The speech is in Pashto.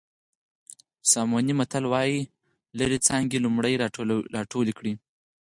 ساموني متل وایي لرې څانګې لومړی راټولې کړئ.